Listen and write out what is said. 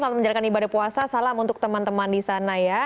selamat menjalankan ibadah puasa salam untuk teman teman di sana ya